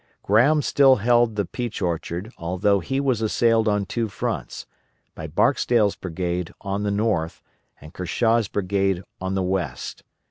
Graham still held the Peach Orchard, although he was assailed on two fronts, by Barksdale's brigade on the north and Kershaw's brigade on the west.